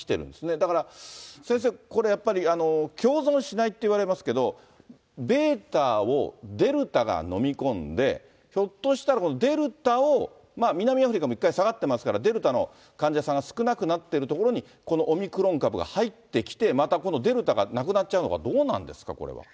だから、先生、これやっぱり共存しないっていわれますけれども、ベータをデルタが飲み込んで、ひょっとしたらデルタを、南アフリカも一回下がってますから、デルタの患者さんが少なくなってるところに、このオミクロン株が入ってきて、また今度、デルタがなくなっちゃうのかどうなんでしょうか。